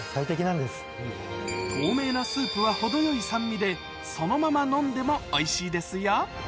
透明なスープはそのまま飲んでもおいしいですよ